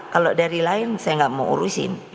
kalau dari lain saya nggak mau urusin